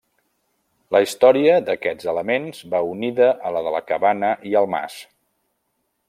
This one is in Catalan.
La història d'aquests elements va unida a la de la cabana i el mas.